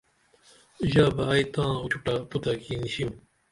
ژا بہ ائی تاں اُچھوٹہ پُتتہ کی نیشنم